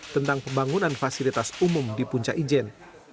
tentang pembangunan fasilitas umum di puncak ijen